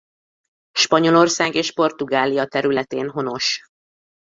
Spanyolország és Portugália területén honos.